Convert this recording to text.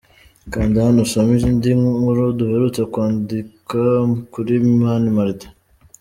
Kanda hano usome indi nkuru duherutse kwandika kuri Mani Martin.